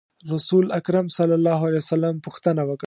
رسول اکرم صلی الله علیه وسلم پوښتنه وکړه.